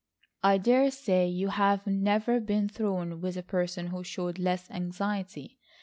I dare say you have never been thrown with a person who showed less anxiety.